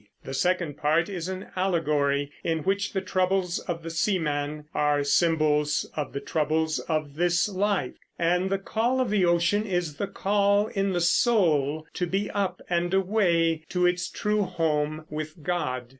The second part is an allegory, in which the troubles of the seaman are symbols of the troubles of this life, and the call of the ocean is the call in the soul to be up and away to its true home with God.